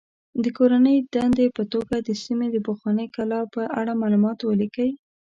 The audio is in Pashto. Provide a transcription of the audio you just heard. د کورنۍ دندې په توګه د سیمې د پخوانۍ کلا په اړه معلومات ولیکئ.